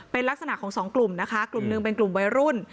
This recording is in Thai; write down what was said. เป็นลักษณะของสองกลุ่มนะคะกลุ่มหนึ่งเป็นกลุ่มวัยรุ่น